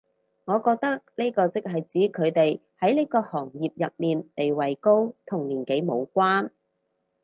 我覺得呢個即係指佢哋喺呢個行業入面地位高，同年紀無關